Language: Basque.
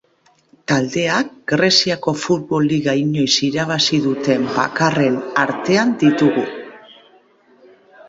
Taldeak Greziako futbol liga inoiz irabazi duten bakarren artean ditugu.